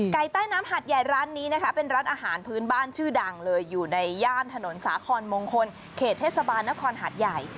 ไก่ใต้น้ำหาดใหญ่ร้านนี้นะคะเป็นร้านอาหารพื้นบ้านชื่อดังเลยอยู่ในย่านถนนสาคอนมงคลเขตเทศบาลนครหาดใหญ่